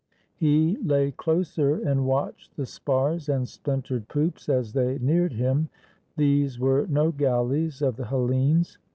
He lay closer 91 i GREECE and watched the spars and splintered poops as they neared him. These were no galleys of the Hellenes.